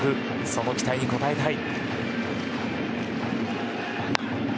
その期待に応えたい。